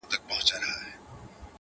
خو دوى يې د مريد غمى د پير پر مخ گنډلی’